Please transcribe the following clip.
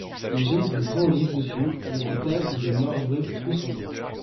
Les jeunes sont brun-olive dessus, avec des taches ou des marbrures plus sombres.